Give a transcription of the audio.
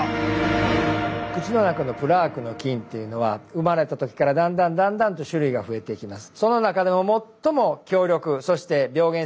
口の中のプラークの菌というのは生まれた時からだんだんだんだんと種類が増えていきます。